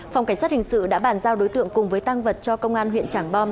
phòng cảnh sát hình sự đã bàn giao đối tượng cùng với tăng vật cho công an huyện trảng bom